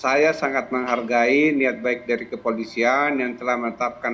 saya sangat menghargai niat baik dari kepolisian yang telah menetapkan